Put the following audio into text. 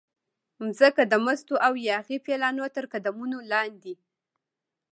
مځکه د مستو او یاغي پیلانو ترقدمونو لاندې